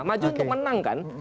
maju untuk menang kan